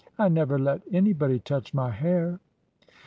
I never let any body touch my hair."